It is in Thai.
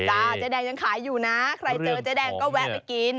เจ๊แดงยังขายอยู่นะใครเจอเจ๊แดงก็แวะไปกิน